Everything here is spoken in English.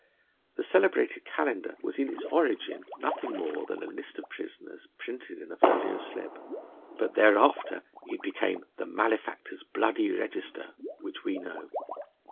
The celebrated Calendar was in its origin nothing more than a list of prisoners printed in a folio slip. But thereafter it became the Malefactor's Bloody Register, which we know.